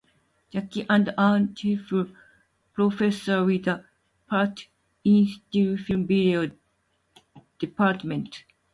Jacki is an adjunct full professor with the Pratt Institute Film Video department.